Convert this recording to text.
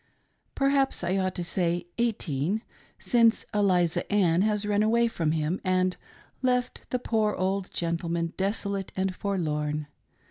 Perhaps I ought to say eighteen, since Eliza Ann has run away from him and left the poor old gentleman desolate and forlorn".